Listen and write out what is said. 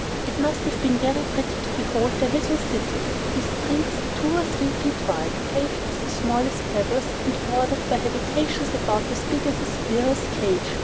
It must have been very pretty to behold their little cities, with streets two or three feet wide, paved with the smallest pebbles, and bordered by habitations about as big as a squirrel's cage.